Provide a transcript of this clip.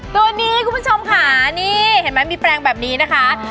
ตัวนี้คุณผู้ชมค่ะนี่เห็นไหมมีแปลงแบบนี้นะคะ